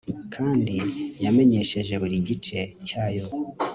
Kandi yamenyesheje buri gice cyayo